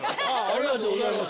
ありがとうございます。